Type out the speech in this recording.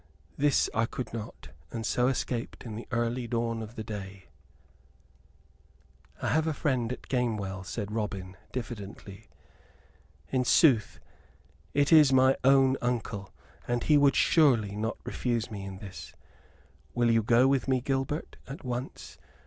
This I would not; and so escaped in the early dawn of the day " "I have a friend at Gamewell," said Robin, diffidently. "In sooth, it is mine own uncle, and he surely would not refuse me in this. Will you go with me, Gilbert, at once?